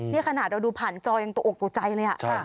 นี่ขนาดเราดูผ่านจอยังตกอกตกใจเลย